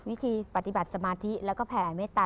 วิธีปฏิบัติสมาธิแล้วก็แผ่เมตตา